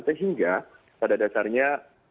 sehingga pada dasarnya